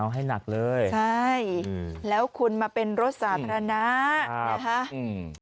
เอาให้หนักเลยใช่อืมแล้วคุณมาเป็นรถสาธารณะนะคะอืม